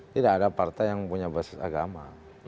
tidak ada partai yang punya basis agama